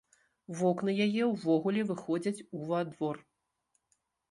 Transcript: Вокны яе ўвогуле выходзяць ува двор.